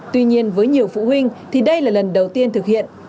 tuy nhiên với nhiều phụ huynh thì đây là lần đầu tiên thực hiện